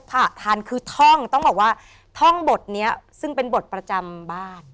ผ่าทานคือท่องต้องบอกว่าท่องบทนี้ซึ่งเป็นบทประจำบ้าน